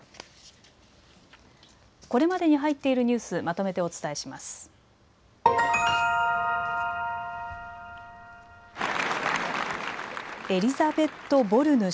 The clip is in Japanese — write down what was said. これまでに入っているニュース、まとめてお伝えします。エリザベット・ボルヌ